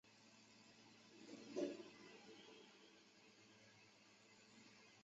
格雷斯维莱人口变化图示